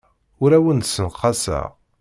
Ur awen-d-ssenqaseɣ.